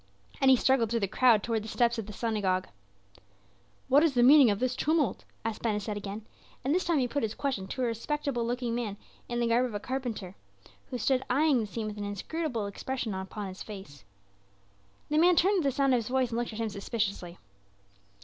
And he struggled through the crowd toward the steps of the synagogue. "What is the meaning of this tumult?" said Ben Hesed again, and this time he put his question to a respectable looking man in the garb of a carpenter, who stood eying the scene with an inscrutable expression upon his face. The man turned at the sound of his voice, and looked at him suspiciously.